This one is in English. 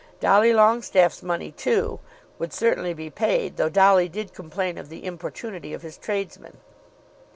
Dolly Longestaffe's money, too, would certainly be paid, though Dolly did complain of the importunity of his tradesmen.